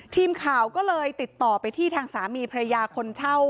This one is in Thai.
ทีมข่าวก็เลยติดต่อไปที่ทางสามีภรรยาคนเช่า